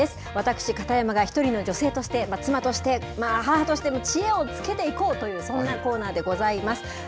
私、片山が一人の女性として、妻として、母としての知恵をつけていこうという、そんなコーナーでございます。